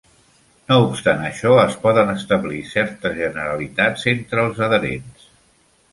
No obstant això, es poden establir certes generalitats entre els adherents.